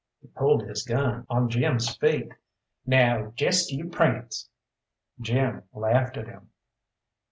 He pulled his gun on Jim's feet. "Now jest you prance!" Jim laughed at him.